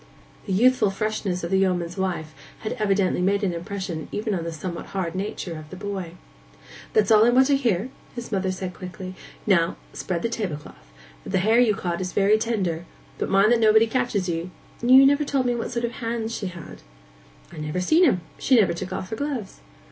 The youthful freshness of the yeoman's wife had evidently made an impression even on the somewhat hard nature of the boy. 'That's all I want to hear,' said his mother quickly. 'Now, spread the table cloth. The hare you caught is very tender; but mind that nobody catches you.—You've never told me what sort of hands she had.' 'I have never seen 'em. She never took off her gloves.